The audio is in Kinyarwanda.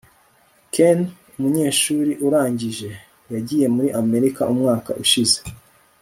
ken, umunyeshuri urangije, yagiye muri amerika umwaka ushize